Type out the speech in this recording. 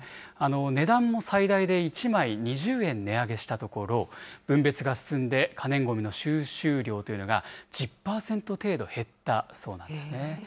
値段も最大で１枚２０円値上げしたところ、分別が進んで可燃ごみの収集量というのが、１０％程度減ったそうなんですね。